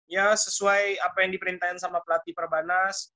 ya sesuai apa yang diperintahin sama pelatih perbanas